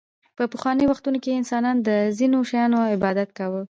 په پخوانیو وختونو کې انسانانو د ځینو شیانو عبادت کاوه